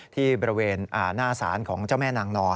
ที่บริเวณหน้าศาลของเจ้าแม่นางนอน